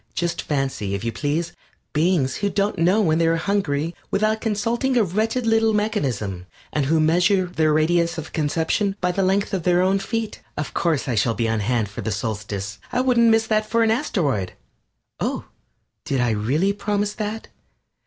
Just fancy, if you please, beings who don't know when they are hungry without consulting a wretched little mechanism, and who measure their radius of conception by the length of their own feet. Of course I shall be on hand for the Solstice! I wouldn't miss that for an asteroid! Oh, did I really promise that?